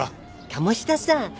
鴨志田さん